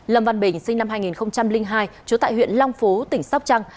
lâm văn bình sinh năm hai nghìn hai trú tại huyện long phú tỉnh sóc trăng